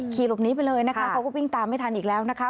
หลบหนีไปเลยนะคะเขาก็วิ่งตามไม่ทันอีกแล้วนะคะ